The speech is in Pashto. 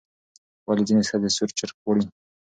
ولې ځینې ښځې سور چرګ غواړي؟